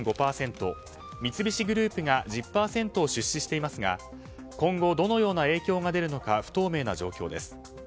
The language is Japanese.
三菱グループが１０％を出資していますが今後どのような影響が出るのか不透明な状況です。